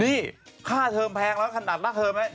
นี่ค่าเทิมแพงแล้วขนาดหน้าเทิมนั้น